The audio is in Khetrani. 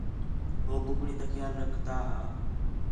ہو کُکڑیں تا خیال رکھدا ہا